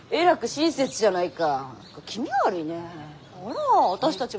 あら私たち